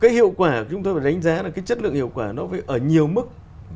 cái hiệu quả chúng tôi phải đánh giá là cái chất lượng hiệu quả nó phải ở nhiều mức